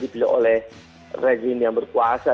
dipilih oleh rezim yang berkuasa